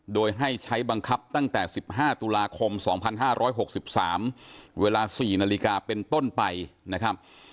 โดยให้ใช้บังคับตั้งแต่๑๕ตุลาคม๒๕๖๓เวลา๔นาฬิกาเป็นต้นไปนะครับ